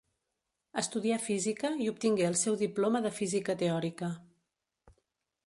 Estudià física i obtingué el seu diploma de física teòrica.